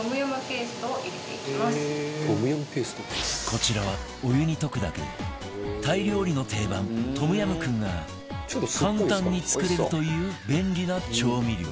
こちらはお湯に溶くだけでタイ料理の定番トムヤムクンが簡単に作れるという便利な調味料